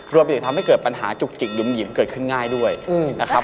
รวมไปถึงทำให้เกิดปัญหาจุกจิกหยุ่มหยิมเกิดขึ้นง่ายด้วยนะครับ